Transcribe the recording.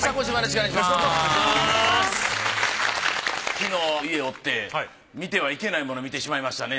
昨日家おって見てはいけないもの見てしまいましたね。